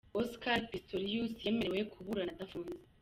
Osikari Pisitoriyusi yemerewe kuburana adafunze